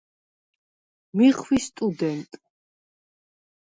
მი ხვი სტუდენტ.